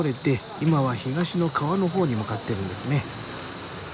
今は東の川の方に向かってるんですね。